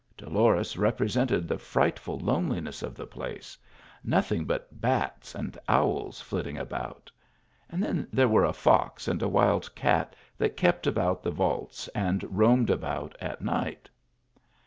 Dolores rep resented the frightful loneliness of the place ; nothing but bats and owls flitting about ; then there were a fox and a wild cat that kept about the vaults and roamed about at night.